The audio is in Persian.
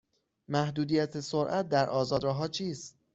محدودیت سرعت در آزاد راه ها چیست؟